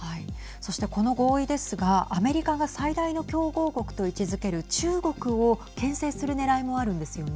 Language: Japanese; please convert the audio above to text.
そして、この合意ですがアメリカが最大の競合国と位置づける中国をけん制するねらいもあるんですよね。